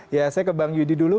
ya saya ke bang yudi dulu